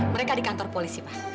mereka di kantor polisi pak